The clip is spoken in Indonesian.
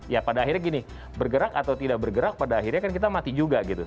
ya pada akhirnya gini bergerak atau tidak bergerak pada akhirnya kan kita mati juga gitu